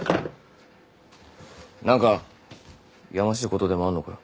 何かやましいことでもあんのかよ。